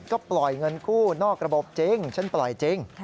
ก็ปล่อยเงินกู้นอกระบบจริงฉันปล่อยจริง